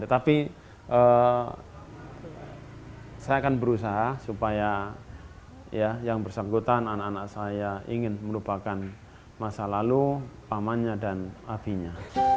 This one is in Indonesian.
tetapi saya akan berusaha supaya yang bersangkutan anak anak saya ingin melupakan masa lalu pamannya dan abinya